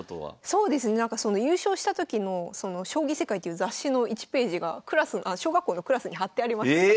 そうですねその優勝した時の「将棋世界」っていう雑誌の１ページが小学校のクラスに貼ってありました。